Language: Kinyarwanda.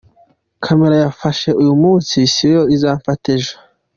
Camera yamfashe uyu munsi si yo izamfata ejo.